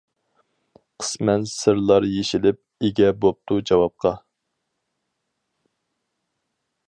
قىسمەن سىرلار يېشىلىپ، ئىگە بوپتۇ جاۋابقا.